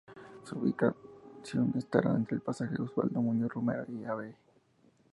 Su ubicación estará entre el pasaje Osvaldo Muñoz Romero y Av.